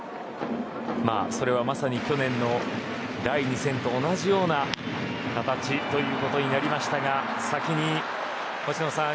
それはまさに去年の第２戦と同じような形ということになりましたが先に、星野さん